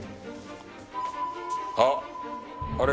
あっあれ